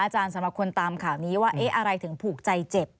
สำหรับคนตามข่าวนี้ว่าอะไรถึงผูกใจเจ็บ